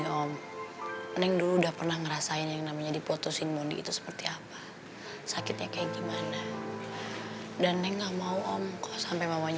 om dudung sudah berani masuk kamar neng